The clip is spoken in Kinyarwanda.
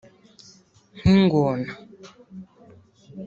nk’ingona